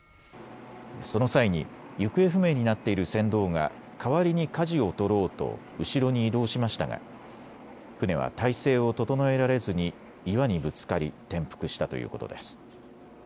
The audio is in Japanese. その際に行方不明になっている船頭が代わりにかじを取ろうと後ろに移動しましたが舟は態勢を整えられずに岩にぶつかり転覆したということです。